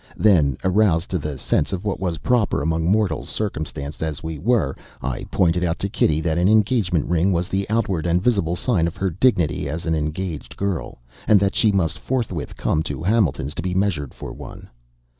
Then, aroused to the sense of what was proper among mortals circumstanced as we were, I pointed out to Kitty that an engagement ring was the outward and visible sign of her dignity as an engaged girl; and that she must forthwith come to Hamilton's to be measured for one.